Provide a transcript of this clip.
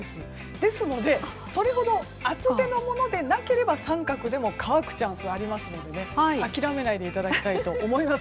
ですのでそれほど厚手のものでなければ三角でも乾くチャンスはありますので諦めないでいただきたいと思います。